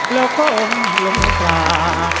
แล้วคงล้มปลา